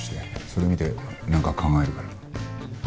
それ見てなんか考えるから。